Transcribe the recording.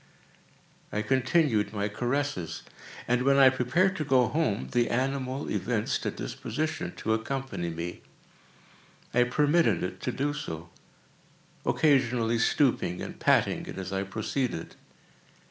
I continued my caresses, and, when I prepared to go home, the animal evinced a disposition to accompany me. I permitted it to do so; occasionally stooping and patting it as I proceeded.